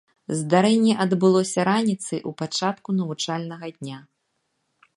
Здарэнне адбылося раніцай у пачатку навучальнага дня.